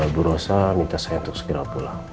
bu rosa minta saya untuk segera pulang